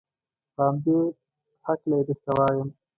په همدې هلکه یې درته وایم.